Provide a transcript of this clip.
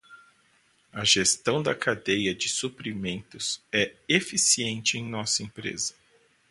A gestão da cadeia de suprimentos é eficiente em nossa empresa.